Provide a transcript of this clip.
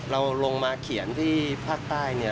เราลงมาเขียนที่ภาคใต้